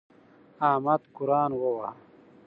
احمد قرآن وواهه.